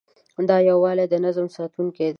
دا یووالی د نظم ساتونکی دی.